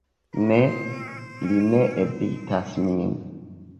Ne, li ne evitas min.